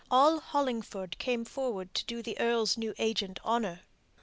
All Hollingford came forward to do the earl's new agent honour.